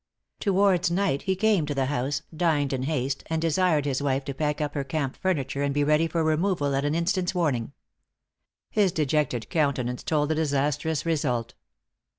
Towards night he came to the house, dined in haste, and desired his wife to pack up her camp furniture, and be ready for removal at an instant's warning. His dejected countenance told the disastrous result.